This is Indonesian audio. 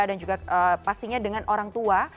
dan juga pastinya dengan orang tua